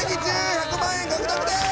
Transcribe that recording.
１００万円獲得です。